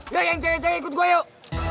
ya yang cewek cewek ikut gua yuk